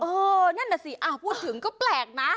เออนั่นแหละสิพูดถึงก็แปลกนะ